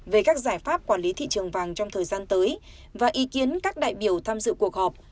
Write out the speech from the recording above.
về các giải pháp quản lý thị trường vàng trong thời gian tới và ý kiến các đại biểu tham dự cuộc họp